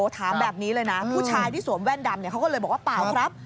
ถามแบบนี้เลยนะผู้ชายที่สวมแว่นดำเขาก็เลยบอกว่าเปล่าครับ